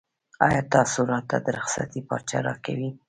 ایا تاسو راته د رخصتۍ پارچه راکوئ؟